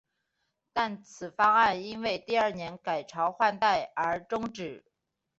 但此方案因为第二年改朝换代而中止。